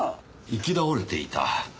行き倒れていた？